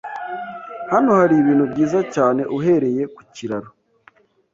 Hano haribintu byiza cyane uhereye ku kiraro.